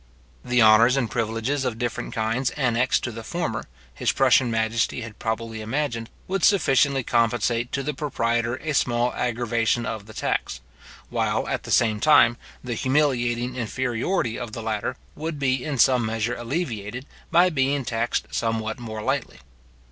The honours and privileges of different kinds annexed to the former, his Prussian majesty had probably imagined, would sufficiently compensate to the proprietor a small aggravation of the tax; while, at the same time, the humiliating inferiority of the latter would be in some measure alleviated, by being taxed somewhat more lightly.